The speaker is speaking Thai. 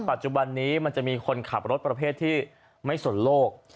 ปัจจุบันนี้มันจะมีคนขับรถประเภทที่ไม่สนโลก